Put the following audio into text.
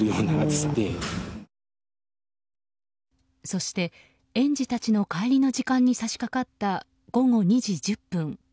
そして園児たちの帰りの時間に差し掛かった午後２時１０分。